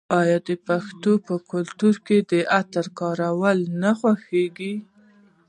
آیا د پښتنو په کلتور کې د عطرو کارول نه خوښیږي؟